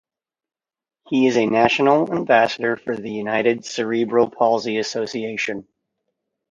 He is a national ambassador for the United Cerebral Palsy Association.